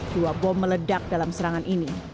dua bom meledak dalam serangan ini